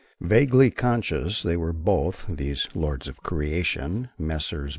Vaguely conscious were they both, these lords of creation, Messrs.